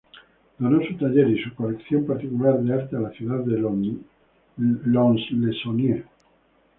Donó su taller y su colección particular de arte a la ciudad de Lons-le-Saunier.